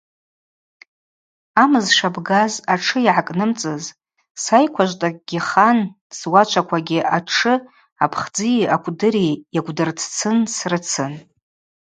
Амыз шабгаз атшы йгӏакӏнымцӏыз – сайкважвтӏакӏвгьи хан, суачваквагьи атшы апхдзи акӏвдыри йагӏвдырццыхын срыцын.